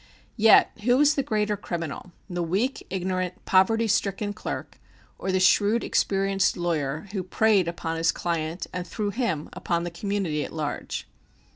Yet who was the greater criminal the weak, ignorant, poverty stricken clerk, or the shrewd, experienced lawyer who preyed upon his client and through him upon the community at large?